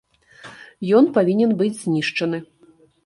Ён павінен быць знішчаны.